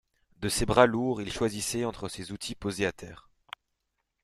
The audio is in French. De ses bras lourds, il choisissait entre ses outils posés à terre.